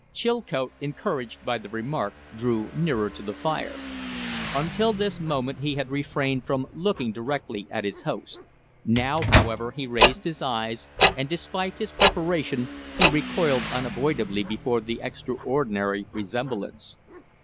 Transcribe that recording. Chilcote, encouraged by the remark, drew nearer to the fire. Until this moment he had refrained from looking directly at his host; now, however, he raised his eyes, and, despite his preparation, he recoiled unavoidably before the extraordinary resemblance.